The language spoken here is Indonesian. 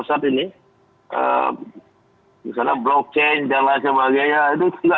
misalnya blockchain dan lain sebagainya